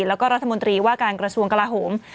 แล้วก็รัฐมนตรีว่าการกระทรวงกลาโหม